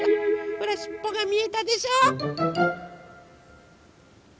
ほらしっぽがみえたでしょ？